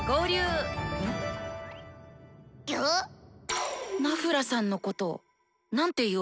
心の声ナフラさんのこと何て言おう。